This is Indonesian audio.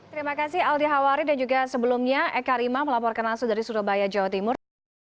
terima kasih aldi hawari dan juga sebelumnya eka rima melaporkan langsung dari surabaya jawa timur